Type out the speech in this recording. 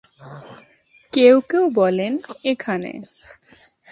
কেউ কেউ বলেন, এখানে।